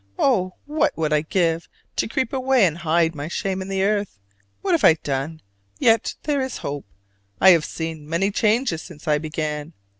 Oh, what would I give To creep away, and hide my shame in the earth! What have I done? Yet there is hope. I have seen Many changes since I began.